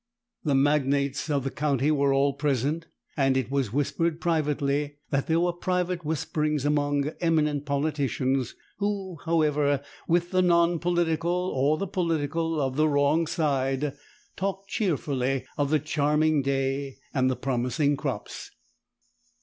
The magnates of the county were all present, and it was whispered privately that there were private whisperings among eminent politicians, who, however, with the non political, or the political of the wrong side, talked cheerfully of the charming day and the promising crops.